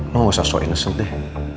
lo gak usah so innocent deh